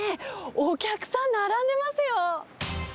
お客さん並んでいますよ。